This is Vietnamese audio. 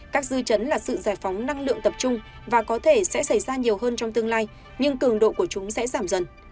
các dư chấn là sự giải phóng năng lượng tập trung và có thể sẽ xảy ra nhiều hơn trong tương lai nhưng cường độ của chúng sẽ giảm dần